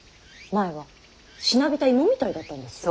前はしなびた芋みたいだったんですよ。